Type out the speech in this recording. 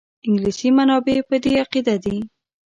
انګلیسي منابع په دې عقیده دي.